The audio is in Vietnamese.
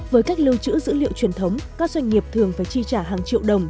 với cách lưu trữ dữ liệu truyền thống các doanh nghiệp thường phải chi trả hàng triệu đồng